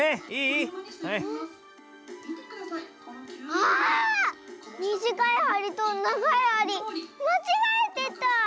ああっ⁉みじかいはりとながいはりまちがえてた！